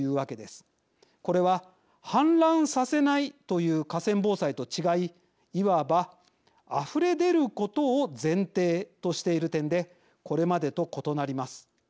これは氾濫させないという河川防災と違いいわばあふれ出ることを前提としている点でこれまでと異なります。